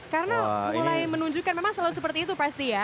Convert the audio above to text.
karena mulai menunjukkan memang selalu seperti itu pasti ya